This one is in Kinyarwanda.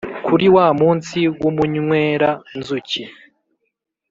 kuri wa munsi w’umunywera-nzuki